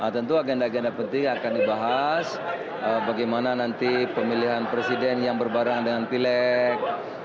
tentu agenda agenda penting akan dibahas bagaimana nanti pemilihan presiden yang berbarengan dengan pileg